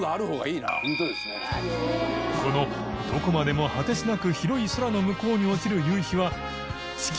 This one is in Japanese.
どこまでも果てしなく広い空の向こうに落ちる夕日は狼紊離轡襯┘